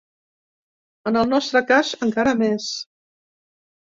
En el nostre cas, encara més.